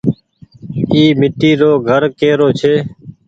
اي ميٽي رو گهر ڪي رو ڇي۔